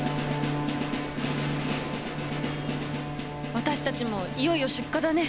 私たちもいよいよ出荷だね。